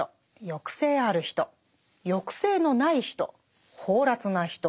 抑制ある人抑制のない人放埓な人。